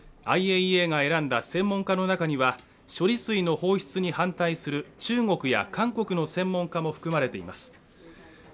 ＩＡＥＡが選んだ専門家の中には処理水の放出に反対する中国や韓国の専門家も含まれています。